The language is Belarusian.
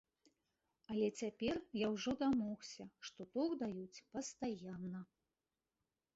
Але цяпер я ўжо дамогся, што ток даюць пастаянна.